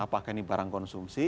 apakah ini barang konsumsi